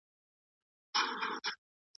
د مقالي جوړښت باید په سمه توګه وټاکل سي.